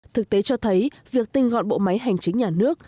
thực tế cho thấy việc tinh gọn bộ máy hành chính nhà nước